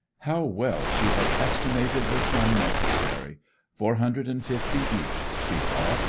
'How well she had estimated the sum necessary! Four hundred and fifty each, she thought.